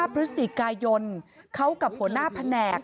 พฤศจิกายนเขากับหัวหน้าแผนก